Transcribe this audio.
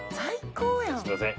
すみません。